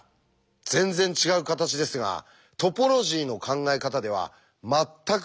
全然違う形ですがトポロジーの考え方では全く同じ形なんです。